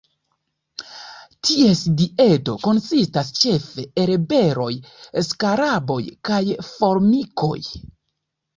Ties dieto konsistas ĉefe el beroj, skaraboj kaj formikoj.